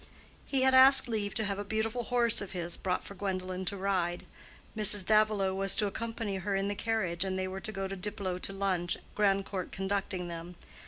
He had asked leave to have a beautiful horse of his brought for Gwendolen to ride. Mrs. Davilow was to accompany her in the carriage, and they were to go to Diplow to lunch, Grandcourt conducting them.